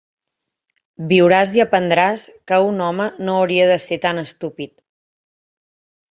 Viuràs i aprendràs que un home no hauria de ser tan estúpid.